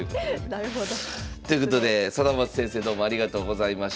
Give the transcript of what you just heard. なるほど。ということで貞升先生どうもありがとうございました。